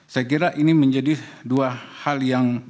saya kira ini menjadi dua hal yang